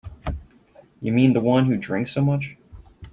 You mean the one who drank so much?